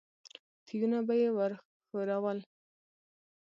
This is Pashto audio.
تيونه به يې وښورول.